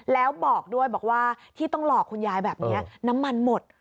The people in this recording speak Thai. แล้วบอกด้วยบอกว่าที่ต้องหลอกคุณยายแบบนี้น้ำมันหมด